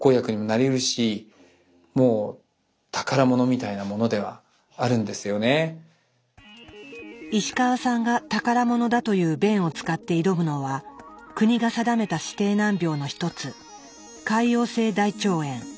ただそれは石川さんが宝物だという便を使って挑むのは国が定めた指定難病の一つ潰瘍性大腸炎。